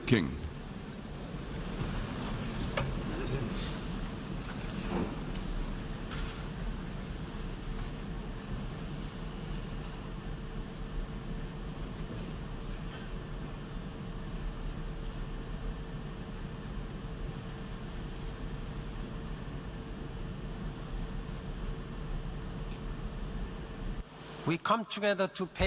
คุณพระเจ้า